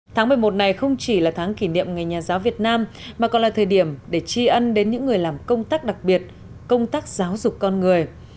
tháng một mươi một này không chỉ là tháng kỷ niệm ngày nhà giáo việt nam mà còn là thời điểm để tri ân đến những người làm công tác đặc biệt công tác giáo dục con người